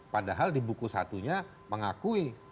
padahal di buku satunya mengakui